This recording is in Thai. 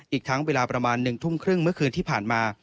อีกทั้งเวลาประมาณ๑ทุ่มครึ่งเมื่อคืนที่ผ่านมา